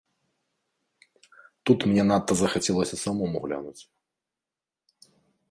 Тут мне надта захацелася самому глянуць.